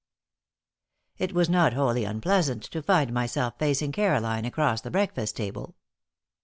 It was not wholly unpleasant to find myself facing Caroline across the breakfast table.